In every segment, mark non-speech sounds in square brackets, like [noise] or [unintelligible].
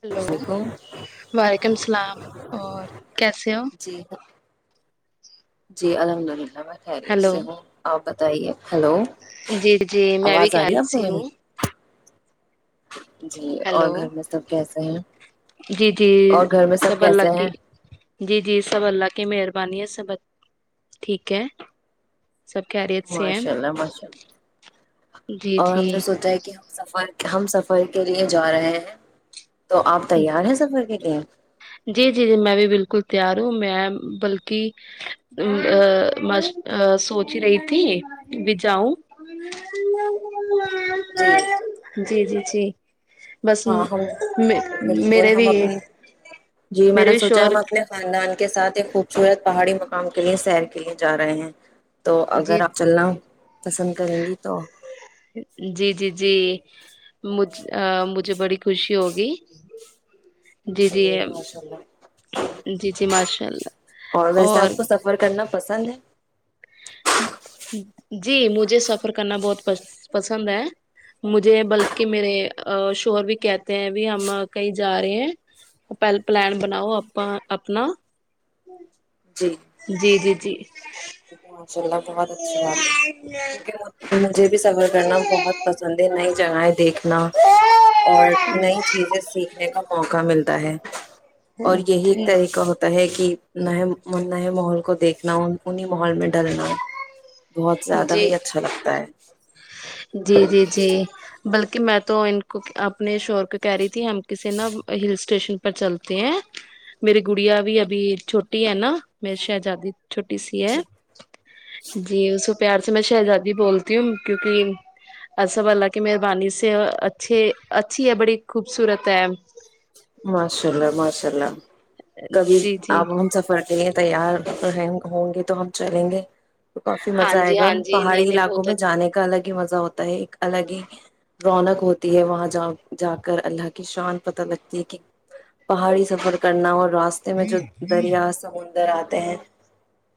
hello وعلیکم وعلیکم السلام اور کیسے ہو جی جی الحمد للہ کھائی ہلو سے ہ آ ب تی جی جی میں بھی رہی خیال ہے آپ س کو میری ہوں جی اور ہیلو گھر میں سب کیسے ہیں جی جی اور گھر میں سب کیسے اللہ ہیں کی جی جی سب اللہ کہ مہربانی ہے سب ٹھیک ہے سب خیریت سے ہیں ماشاء اللہ ماشاء جی اللہ اور ہم جی نے سوچا ہے کہ ہم سفر ہم سفر کے لیے جا رہے ہیں تو آپ تیار ہیں سفر کے لیے جی جی جی میں بھی بالکل تیار ہو میں بلکہ سوچ رہی تھی بھی جاؤں جی جی جی جی بس ہاں ہم میں بالکل ہم اپ جی میں میرے نے بھی سوچا شور ہم اپنے خاندان کے ساتھ خوبصورت پہاڑی مقام کے لیے سیر کے لیے جا رہے ہیں تو جی اگر آپ چلنا پسند کریں گی تو م مجھے بڑی خوشی ہوگی جی جی اے ماشاء اللہ جی جی ماشاء اللہ ویسے اور آپ کو سفر کرنا پسند جی مجھے سفر کرنا بہت پسند ہے مجھے بلکہ میرے شر بھی کہتے ہیں بھی ہم کہیں جا رہے ہیں پہل پلان بناؤ اپ اپنا جی جی جی جی ماشاء اللہ بہت اچھی بات ہے کیونکہ مجھے بھی سفر کرنا بہت پسند ہے ن جگہ ہے دیکھ اور نئی چیزیں سیکھنے کا موقع ملتا ہے اور یہی ایک طریقہ ہوتا ہے کہ نئے نئے ماحول کو دیکھنا ان انیں محول میں ڈلنا بہت زیادہ ہی جی اچھا لگتا ہے جی جی جی بلکہ کہ میں تو ان کو اپنے شور کو کہہ رہی تھی ہم کو کسی نہ ہل اسٹیشن پر چلتے ہیں میری گڑیا بھی ابھی چھوٹی ہے نا میری شہزادی چھوٹی سی ہے جی جی پیار سے میں شہزادی بولتی ہوں کیونکہ الب اللہ کی مہربانی سے اچھے اچھی ہے بڑی خوبصورت ہے ماشاء اللہ ماشاء اللہ کبھی جی جی آپ ہم سفر رہ ہیں تیار ہوں گے تو ہم چلیں گے تو کافی ہاں مزہ آئے جی گا ہاں جی نہیں پہاڑی نہیں علاقوں بہت میں جانے کا الگ مزہ ہوتا ہے ایک الگ ہی رونق ہوتی ہے وہاں جا جا کر اللہ کی شان پت لگتی لن پہاڑی سفر کرنا اور راستے میں جو دریا سمندر آتی ت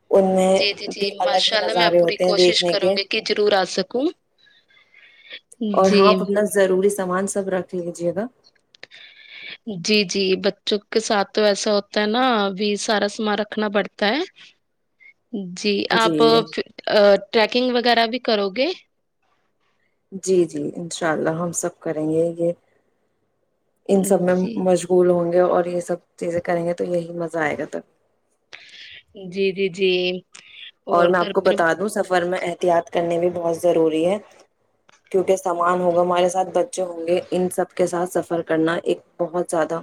جی جی جی ماشاء اللہ میں پوری ہوتے ہیں کوشش دیکھنے کروں کے گی کہ جضرور آ سکوں اور ہاں جی اپتنا ضرور ضروری سامان سب رکھ لیجے گا جی جی بچوں کے ساتھ تو ایسا ہوتا ہے نا بھی سارا سامان رکھنا پڑتا ہے جی آپ ٹریکنگ وغیرہ بھی کرو گے جی جی انشاء اللہ ہم سب کریں گے یہ ان سب میں جی مشغول ہوں گے اور یہ سب چیزیں کریں گے تو یہی م زائے گا ت جی جی جی اور میں آپ گھر کو پر بتا دوں سب سفر میں احتیاط کرنے بھی بہت ضروری ہے کیونکہ سامان ہوگا ہمارے ساتھ بچے ہوں گے ان سب کے ساتھ سفر کرنا ایک بہت زیادہ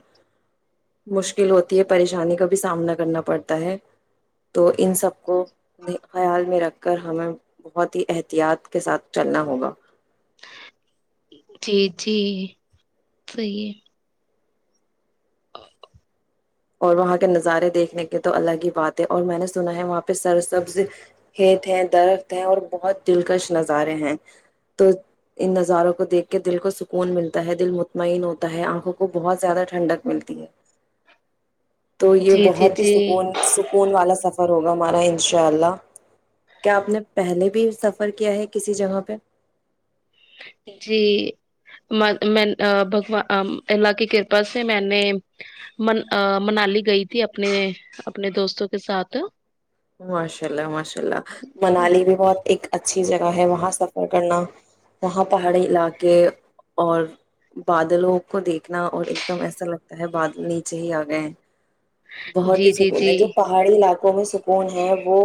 مشکل ہوتی ہے پریشانی کا بھی سامنا کرنا پڑتا ہے تو ان سب کو خیال میں رکھ کر ہمیں بہت ہی احتیاط کے ساتھ چلنا ہوگا جی جی صیح ہے [unintelligible] اور وہاں کے نظارے دیکھنے کے تو الگ ہی بات ہے اور میں نے سنا ہے وہاں پہ سر سبز کت ہیں درخت ہیں اور بہت دلکش نظارے ہیں تو ان نظاروں کو دیکھ کے دل کو سکون ملتا ہے دل مطمئن ہوتا ہے آنکھوں کو بہت زیادہ ٹھنڈک ملتی ہے تو یہ جی جی بہت ہی سکون جی سکون والا سفر سر ہوگا ہمارا ان شاء اللہ کیا آپ نے پہلے بھی سفر کیا ہے کسی جگہ پہ جی میں بھگوان اللہ کی کرپا سے میں نے من منالی گئی تھی اپنے اپنے دوستوں کے ساتھ ماشاء اللہ ماشاء اللہ منالی بھی بہت ایک اچ اچھی جگہ ہے وہاں سفر کرنا وہاں پہاڑی علاقے اور بادلوں کو دیکھنا اور ایک دم ایسا لگتا ہے بادل نیچے ہی آ گئے بہت ہی جی جی سکون جی ہے جو پہاڑی علاقوں میں سک ف ہے وہ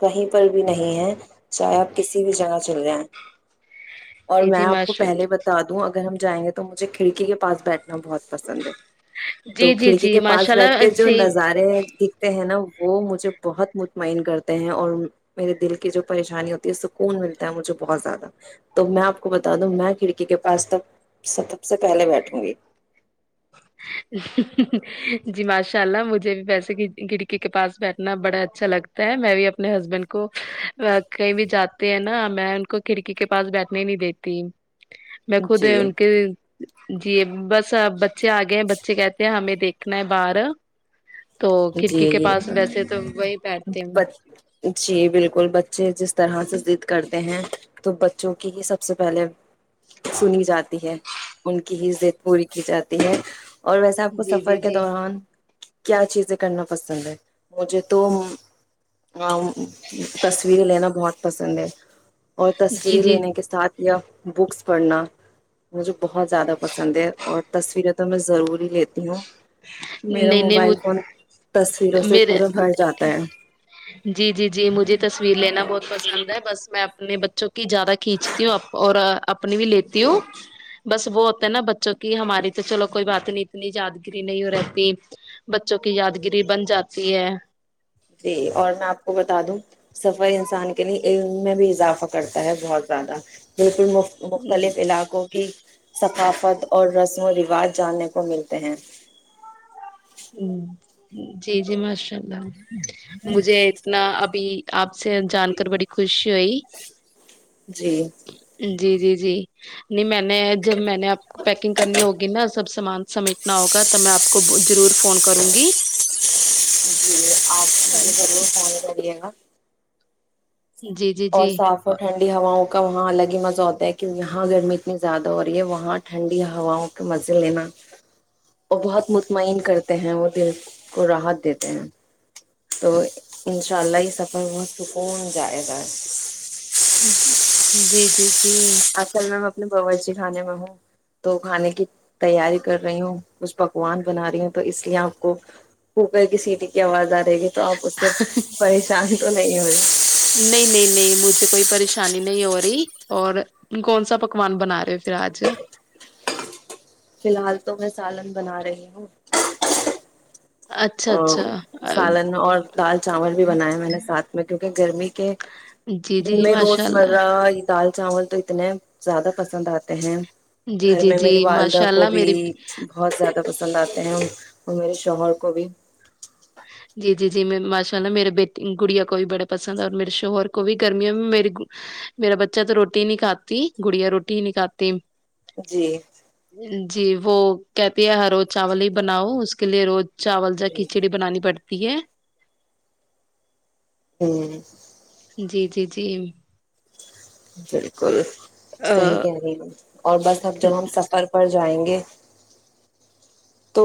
کہیں پر بھی نہیں ہے چاہے آپ کسی بھی جگہ چل جائیں اور جی میں جی آپ کو ماشاء پہلے بتا دوں اگر ہم جائ گے تو مجھے کھڑی کے پاس بیٹھے بہت پسند ہے جی تو جی کھڑکی جی کے ماشاء پاس بیٹھ اللہ کے جو سے نظارے دکھتے ہیں نا وہ مجھے بہت مطمئن کرتے ہیں اور میرے دل کی جو پریشانی ہوتی ہے سکون ملتا ہے مجھے بہت زیادہ تو میں آپ کو بتا دوں میں کھڑکی کے پاس تک سب سے پہلے بیٹھوں گی جی ماشاء اللہ مجھے بھی ویسے کھڑکی کے پاس بیٹھنا بڑا اچھا لگتا ہے میں بھی اپنے ہسبینڈ کو کہیں بھی جاتے ہیں نا میں ان کو کھڑکی کے پاس بیٹھنے نہیں دیتی میں خود جی ان کے جی بس بچے آگئے ہیں بچے کہتے ہیں ہمیں دیکھنا ہے باہر تو جی کڑکی کے یہ پاس ہے ویسے تو وہی بیٹھتے ہ جی بالکل بچے جس طرح سے ضد کرتے ہیں تو بچوں کی ہی سب سے پہلے سنی جاتی ہے ان کی ہی زد پوری کی جاتی ہے اور ویسے آپ کو جی سفر جی کے جی دوران کیا چیزیں کرنا پسند ہے مجھے تو تصویریں لینا بہت پسند ہے اور جی تصویریں جی لینے کے ساتھ یا بکس پڑھنا مجھے بہت زیادہ پسند ہے اور تصویریں تو میں ضروری لیتی ہوں میریرا نہیں نہیں موبائل مجھ- فون تصویروں سے میرے پورا بھر جاتا ہے جی جی جی مجھے تصویر لینا بہت پسند ہے بس میں اپنے بچوں کو کہ زیادہ کھینچتی ہوں آپ اور اپنی بھی لیتی ہوں بس وہ ہوتا ہے نا بچوں کی ہماری تو چلو کوئی بات نہیں اتنی یاد گری نہیں ہو رہتی بچوں کی یادگری بن جاتی ہے جی اور میں آپ کو بتا دوں سفر انسان کے لیے علم میں بھی اضافہ کرتا ہے بہت زیادہ پ مختلف علاقوں کی ثقافت اور رسم و رواج جاننے کو ملتے ہیں ہ جی جی ماشاء اللہ مجھے اتنا ابھی آپ سے جان کر بڑی خوشی ہوئی جی جی جی جی نہیں میں نے جب میں نے آپ کو پیکنگ کرنی ہوگی نا سب سے سمان [unintelligible] سمیٹنا ہوگا تو میں آپ کو ضرور فون کروں گی جی آپ مجھے [unintelligible] جی جی اور جی صاف اور آ، ٹھنڈی ہواں کا وہاں الگ ہی مزہ ہوتا ہے کہ یہاں گرمی اتنی زیادہ اور رہی ہے وہاں ٹھنڈی ہواؤں کے مزے لینا اور بہت مطمئن کرتے ہیں وہ دل کو راحت دیتے ہیں تو انشاء اللہ یہ سفر بہت سکون جائے گا جی جی جی اصل میں [unintelligible] دکھانے میں ہوں تو کھانے کی تیاری کر رہی ہوں اس بھگوان بنا رہی ہوں تو اس لیے اپ کو خوبے کی سیٹی کی اواز ارہی ہے گی تو آپ اس سے پریشان تو نہیں ہوئے م کوئی پریشانی نہیں ہو رہی اور کون سا پکوان بنا رہے ہو پھر آج فی الحال تو میں سالن بنا رہی ہوں اچھا ا اچھا آ، سالن اور دال چاول بھی بناائے میں نے ساتھ میں کیکہ گرمی کے جی جی دن میں ماشاء اللہ روزمرہ دال چاول تو اتنے زیادہ پسند آتے ہیں جی گھر جی میں جی میری والدہ ماشاء کو اللہ بھی میری بہت زیادہ پسند آتے ہیں اور میرے شوہر کو بھی جی جی میں ماشاءاللہ میرے بیٹنگ گڑیا کو بھی بڑے پسند اور میرے شوہر کو بھی گرمیوں میں میری میرا بچہ تو روٹی نہیں کھاتی گڑیا روٹی نہیں کھاتی جی [unintelligible] جی وہ کہتی ہے ہر روز چاول ہی بناؤ اس کے لیے روز چاول جا کھچڑی بنانی کرڑتی ہے [unintelligible] جی جی جی [unintelligible] بالکل ا صحیح کیا رہ اور بس اب جب ہم سفر پر جائیں گے [inaudible] تو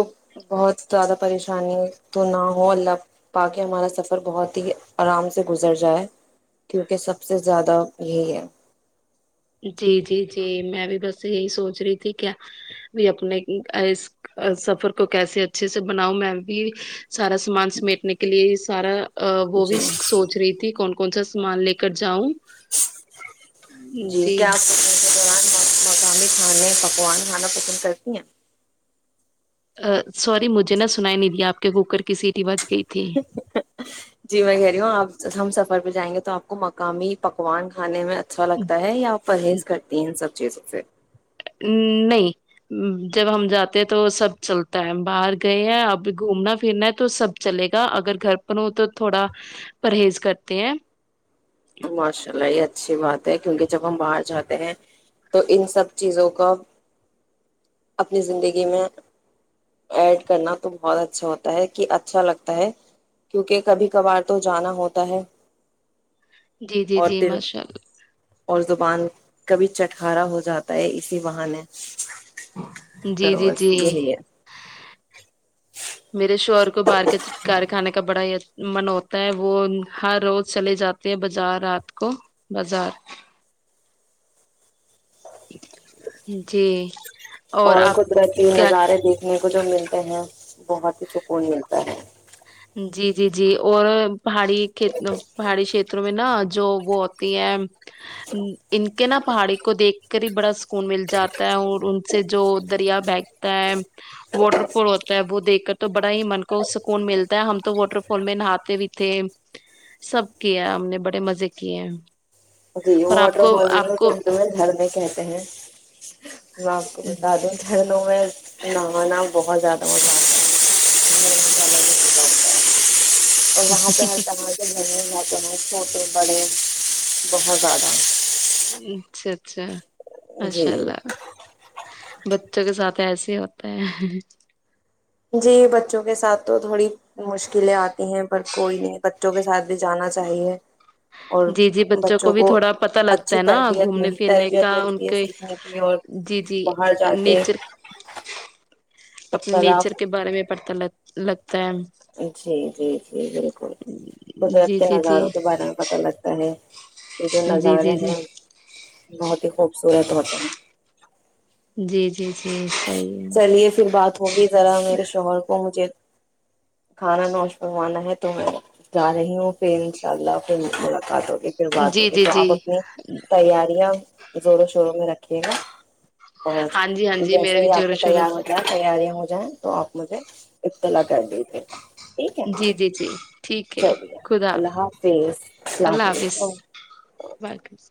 بہت زیادہ پریشانی تو نہ ہو اللہ پاک ہمارا سفر بہت ہی آرام سے گزر جائے کیونکہ سب سے زیادہ یہی ہے جی جی میں بھی دس یہی سوچ رہی تھی کیا بھی اپنے سفر کو کیسے اچھے سے بناؤں میں بھی سارا سامان سمیٹنے کے لیے سارا وہ جی بھی سوچ رہی تھی کون کون سا سامان لے کر جاؤں جی کیا مقامی کھانے پکوان کھانا پسند کرتی ہیں ا سوری مجھے نہا سنایا نہیں دیا آپ کے کوکر کی سیٹی وج گئی تھی جی میں کہ رہی ہوں آپ ج ہم سفر پہ جائیں گے تو آپ کو مقامی پکوان کھانے میں اچھا لگتا ہے یا آپ پرہیز کرتی ہیں ان سب چیز سے نہیں جب ہم جاتے ہیں تو سب چلتا ہے باہر گئے ہیں اب گھومنا پھرنا ہے تو سب چلے گا اگر گھر پر ہو تو تھوڑا پرہیز کرتے ہیں ماشاء اللہ یہ اچھی بات ہے کیونکہ جب ہم باہر جاتے ہیں تو ان سب چیزوں کو اپنی زندگی میں ایڈ کرنا تو بہت اچھا ہوتا ہے کہ اچھا لگتا ہے کیونکہ کبھی کبھار تو جانا ہوتا ہے جی جی اور جی دل ماشاء اللہ اور زبان کبھی چٹکارا ہو جاتا ہے اسی بہان جی جی جی میرے شور باہر کے گار کھانے کا بڑا ہی من ہوتا ہے وہ ہر روز چلے جاتے ہیں بازار رات کو بازار جی اور آپ قدرتی کیا نظارے دیکھنے کو جو ملتے ہیں بہت ہی سکون ملتا ہے جی جی جی اور پہاڑی ک پہاڑی کھیتروں میں نا جو وہ ہوتی ہیں ان کے نا پہاڑی کو دیکھ کر ہی بڑا سکون مل جاتا ہے اور ان سے جو دریا بہگتا ہے واٹر فول ہوتا ہے وہ دیکھ کر تو بڑا ہی من کو سکون ملتا ہم تو واٹر فال میں نہاتے بھی تھے سب کیے ہم نے بڑے مزے کیے جی وہ اور آپ واٹر کو فال آپ کو س جھرنے کہتے ہیں میں آپ کو بتا دوں گ لوں میں نہ نہ بہت زیادہ مزہ آتا ہے، اور وہاں پہ ہ تے گھر ہیں چھوٹے بڑے بہت زیادہ اچھا اچھا اچشاء جی اللہ بچوں کے ساتھ ایسے ہی ہوتا ہے جی بچوں کے ساتھ تو تھوڑی مشکلیں آتی ہیں پر کوئی نہیں بچوں کے ساتھ بھی جانا چاہیے اور جی جی بچوں کو بھی تھوڑا پتا لگتا اچھی ہے نا تربیت گھومنے مل پھرنے تربیت کا ان ملتی ہے کے سیکھنے کی اور جی جی باہر جا کے نیچر اپنے اختلاف نیچر کے بارے میں پتاہ لگتا لگ ہے جی جی جی بالکل قدرت جی کے جی جی نظاروں کے بارے میں پتا لگتا ہے کہ جو جی جی نظارے جی ہیں بہت خوبصورت ہوتا ن جی جی جی صحیح ہے چلیے پھر بات ہوگی ذرا میرے شوہر کو مجھے کھانا نوش بنوانا ہے تو میں جا رہی ہوں پھر انشاء اللہ پھرا ال باتو گے پھر باتو جی گے جی تو جی آپ اپنی تیاریاں زوروں شوروں میں رکھیے گا اور ہاں جی ہاں جی میرا جیسے بھی ہی آپ زوروں شوروں تیار سے ہوتا تیاری ہوتی جائ تو آپ مجھے اتلا کر دیجیے گا ہے جی جی جی ٹھیک ہے چلیے خداظ اللہ حافظ السلام اللہ حافظ علیکم واظ